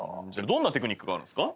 どんなテクニックがあるんすか？